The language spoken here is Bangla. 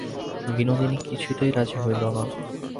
বিনোদিনী কিছুতেই রাজি হইল না।